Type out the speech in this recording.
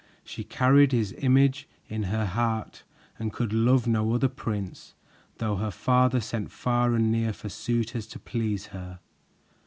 She carried his image in her heart and could love no other prince, though her father sent far and near for suitors to please her.